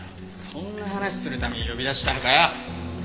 そんな話するために呼び出したのかよ。